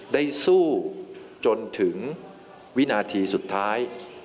ได้สู้จนถึงวินาทีสุดท้าย